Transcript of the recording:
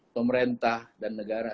pemerintah dan negara